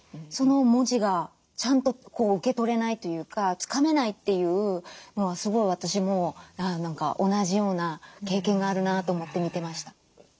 その文字がちゃんと受け取れないというかつかめないっていうのはすごい私も何か同じような経験があるなと思って見てました。